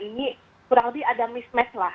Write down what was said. ini kurang lebih ada mismatch lah